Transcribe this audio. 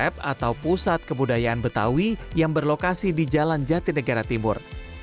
taman benyamin sukar adalah pusat kebudayaan betawi yang berlokasi di jalan jatinegara timur